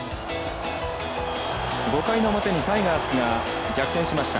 ５回の表にタイガースが逆転しました。